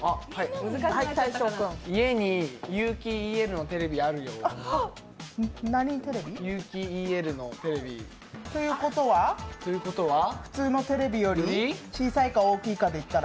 家に有機ＥＬのテレビがあるよ。ということは普通のテレビより小さいか大きいかで言ったら？